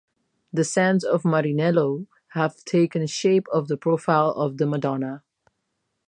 The sands of Marinello have taken shape of the profile of the Madonna.